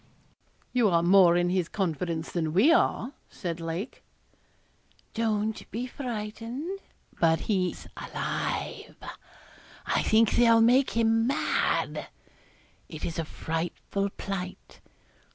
'You are more in his confidence than we are,' said Lake. 'Don't be frightened but he's alive; I think they'll make him mad. It is a frightful plight.